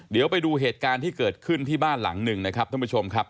เดี๋ยวไปดูเหตุการณ์ที่เกิดขึ้นที่บ้านหลังหนึ่งนะครับท่านผู้ชมครับ